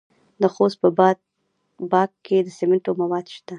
د خوست په باک کې د سمنټو مواد شته.